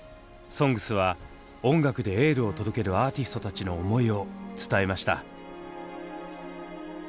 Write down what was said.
「ＳＯＮＧＳ」は音楽でエールを届けるアーティストたちの思いを伝えました。